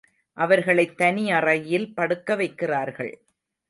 அவர்களைத் தனி அறையில் படுக்கவைக்கிறார்கள்.